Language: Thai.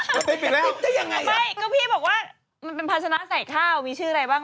อ๋อตีฟจะยังไงอ่ะไม่ก็พี่บอกว่ามันเป็นพัชนะใส่ข้าวมีชื่ออะไรบ้าง